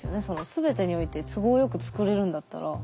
全てにおいて都合よく作れるんだったら。